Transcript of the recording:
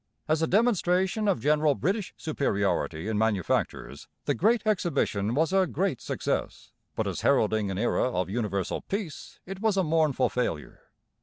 As a demonstration of general British superiority in manufactures the Great Exhibition was a great success; but as heralding an era of universal peace it was a mournful failure.